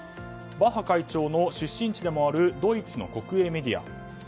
バッハ会長の出身地でもあるドイツの国営メディア。